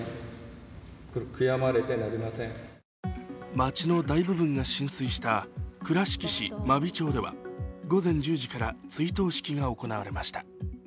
町の大部分が浸水した倉敷市真備町では午前１０時から追悼式が行われました。